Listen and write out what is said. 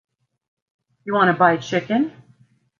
You want to buy chicken?